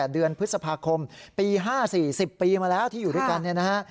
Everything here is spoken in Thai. เดือนพฤษภาคมปี๕๔๐ปีมาแล้วที่อยู่ด้วยกันเนี่ยนะฮะ